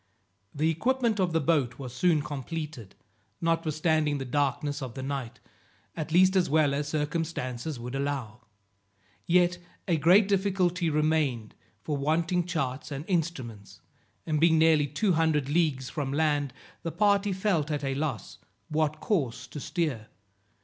The equipment of the boat was soon completed, notwithstanding the darkness of the night, at least as well as circumstances would allow. Yet a great difficulty remained, for wanting charts and instruments, and being nearly two hundred leagues from land, the party felt at a loss what course to steer.